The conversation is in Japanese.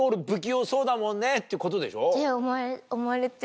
だもんねってことでしょ？